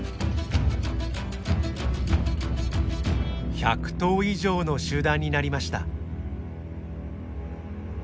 １００頭以上の集団になりました。